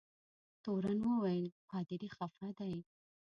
تورن وویل پادري خفه دی.